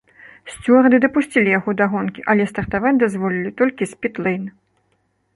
Сцюарды дапусцілі яго да гонкі, але стартаваць дазволілі толькі з піт-лэйн.